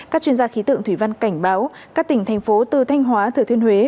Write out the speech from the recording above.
các chuyên gia khí tượng thủy văn cảnh báo các tỉnh thành phố từ thanh hóa thừa thiên huế